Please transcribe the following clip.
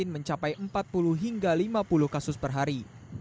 mencapai empat puluh hingga lima puluh kasus per hari